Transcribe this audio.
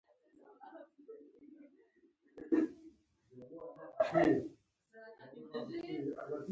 بین سټوکس یو غوره آل راونډر دئ.